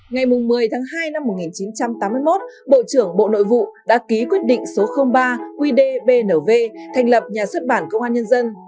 ngày một mươi tháng hai năm một nghìn chín trăm tám mươi một bộ trưởng bộ nội vụ đã ký quyết định số ba qd bnv thành lập nhà xuất bản công an nhân dân